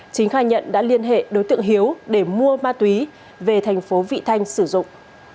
chính khai nhận đã liên hệ đối tượng hiếu để mua ma túy về tp vị thanh sử dụng